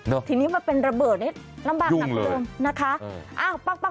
เนอะทีนี้มันเป็นระเบิดนิดนำบางหลับโลมนะคะ